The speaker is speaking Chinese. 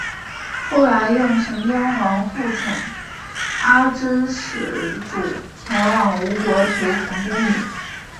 后来应神天皇复遣阿知使主前往吴国求缝工女。